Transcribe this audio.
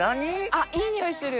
あっいい匂いする。